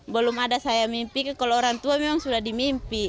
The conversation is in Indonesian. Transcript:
belum ada saya mimpi kalau orang tua memang sudah dimimpi